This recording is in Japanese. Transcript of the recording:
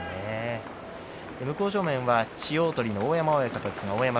向正面は千代鳳の大山親方です。